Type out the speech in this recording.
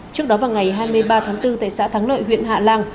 trước đó vào ngày hai mươi ba tháng bốn tại xã thắng lợi huyện hạ lan